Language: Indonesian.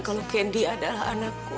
kalau candy adalah anakku